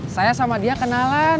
saya sama dia kenalan